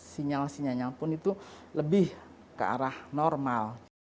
sinyal sinyalnya pun itu lebih ke arah normal